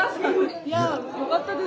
いやよかったです。